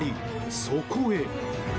そこへ。